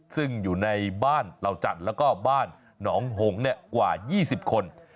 ซึ่งอยู่ในบ้านเหล่าจันทร์แล้วก็บ้านหนองหงกว่า๒๐คน